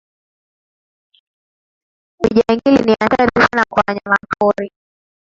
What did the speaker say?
ujangili ni hatari sana kwa wanyapori